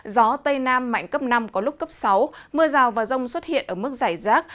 gió tây nam mạnh cấp năm có lúc cấp sáu mưa rào và rông xuất hiện ở mức giải rác